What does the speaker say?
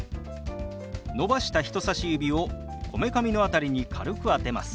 伸ばした人さし指をこめかみの辺りに軽く当てます。